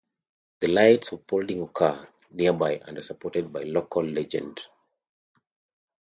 The Lights of Paulding occur nearby and are supported by local legend.